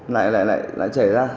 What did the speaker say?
lại trẻ ra